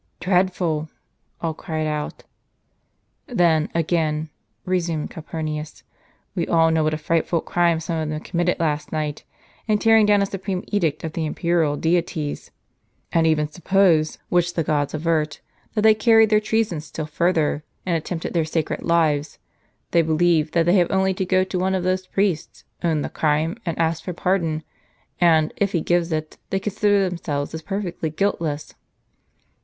" Dreadful !" all cried out. "Then, again," resumed Calpurnius, "we all know what a frightful crime some of them committed last night, in tearing down a supreme edict of the imperial deities ; and even sup pose (which the gods avert) that they carried their treasons still further, and attempted their sacred lives, they believe that they have only to go to one of those priests, own the crime, and ask for pardon ; and, if he gives it, they consider themselves as perfectly guiltless."